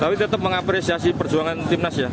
kami tetap mengapresiasi perjuangan timnas ya